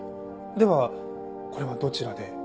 ではこれはどちらで？